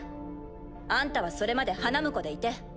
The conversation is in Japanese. あんたはそれまで花婿でいて。